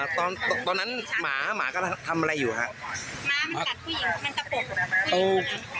ตอนนั้นหมาหมาก็ทำอะไรอยู่ครับ